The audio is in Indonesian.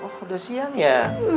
oh udah siang ya